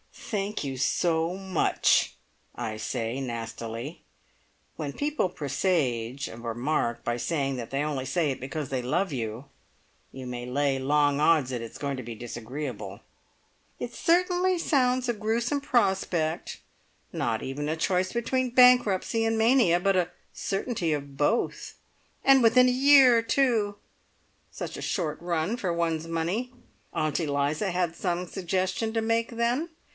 "Thank you so much," I said nastily. (When people presage a remark by saying that they only say it because they love you, you may lay long odds that it's going to be disagreeable!) "It certainly sounds a gruesome prospect. Not even a choice between bankruptcy and mania, but a certainty of both! And within a year, too! Such a short run for one's money! Aunt Eliza had some suggestion to make, then?